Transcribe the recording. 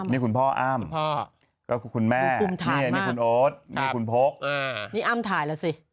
นี่คุณพ่ออ้ำก็คือคุณแม่นี่คุณโอ๊ตนี่คุณพกนี่อ้ำถ่ายแล้วสิ